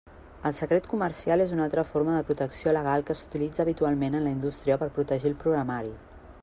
El secret comercial és una altra forma de protecció legal que s'utilitza habitualment en la indústria per protegir el programari.